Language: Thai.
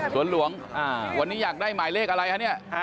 สวนหลวงวันนี้อยากได้หมายเลขอะไรครับ